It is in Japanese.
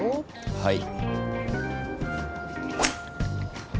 はい。